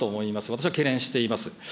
私は懸念しています。